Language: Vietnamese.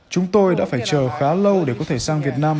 chúng tôi đã phải chờ khá lâu để có thể sang việt nam